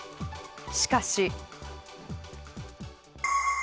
しかし。